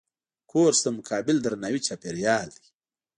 کورس د متقابل درناوي چاپېریال دی.